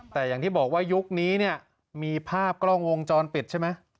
แต่อย่างที่บอกว่ายุคนี้เนี่ยมีภาพกล้องวงจรปิดใช่ไหม